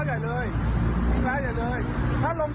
ถ้าลงโทรเชียร์นะผมป้องอีกสักหน้า